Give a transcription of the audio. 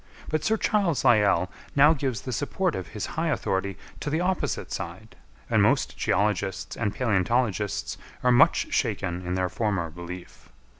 But Sir Charles Lyell now gives the support of his high authority to the opposite side, and most geologists and palæontologists are much shaken in their former belief.